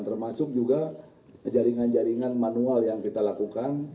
termasuk juga jaringan jaringan manual yang kita lakukan